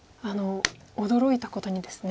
驚いたことにですね